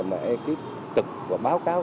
mà ekip trực và báo cáo